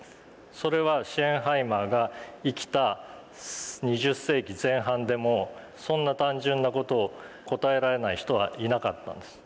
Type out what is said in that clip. それはシェーンハイマーが生きた２０世紀前半でもそんな単純な事を答えられない人はいなかったんです。